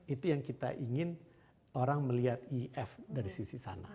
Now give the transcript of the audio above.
itu yang kita ingin orang melihat if dari sisi sana